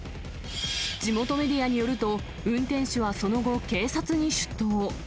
地元メディアによると、運転手はその後、警察に出頭。